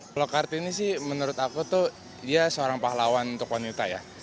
kalau kartini sih menurut aku tuh dia seorang pahlawan untuk wanita ya